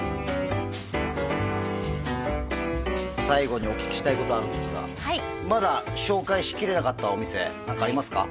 最後にお聞きしたいことあるんですがまだ紹介しきれなかったお店何かありますか？